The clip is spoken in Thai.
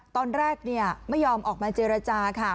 ตอนแรกไม่ยอมออกมาเจรจาค่ะ